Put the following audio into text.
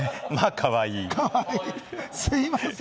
かわいい！